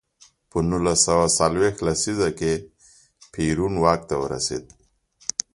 په نولس سوه څلویښت لسیزه کې پېرون واک ته ورسېد.